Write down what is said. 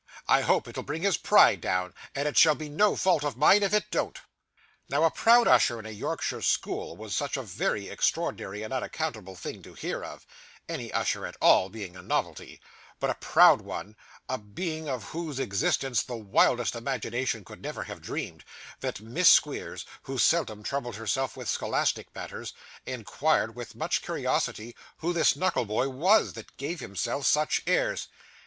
I hope it'll bring his pride down, and it shall be no fault of mine if it don't.' Now, a proud usher in a Yorkshire school was such a very extraordinary and unaccountable thing to hear of, any usher at all being a novelty; but a proud one, a being of whose existence the wildest imagination could never have dreamed that Miss Squeers, who seldom troubled herself with scholastic matters, inquired with much curiosity who this Knuckleboy was, that gave himself such airs.